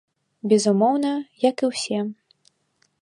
Безумоўна, як і ўсе.